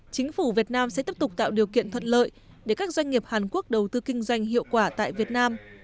chính phủ việt nam sẽ tiếp tục tạo điều kiện thuận lợi để các doanh nghiệp hàn quốc đầu tư kinh doanh hiệu quả tại việt nam